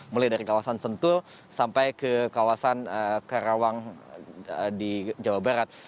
mulai dari kawasan sentul sampai ke kawasan karawang di jawa barat